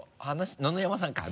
野々山さんか。